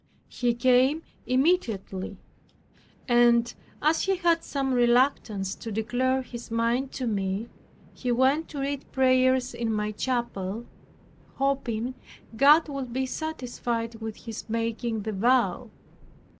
He came immediately, and as he had some reluctance to declare his mind to me, he went to read prayers in my chapel, hoping God would be satisfied with his making the vow.